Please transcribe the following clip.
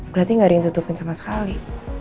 berarti nggak ada yang ditutupin sama sekali